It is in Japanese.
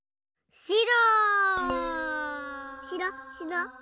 しろ。